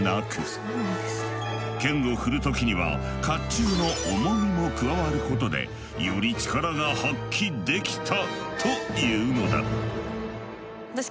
剣を振る時には甲冑の重みも加わることでより力が発揮できたというのだ。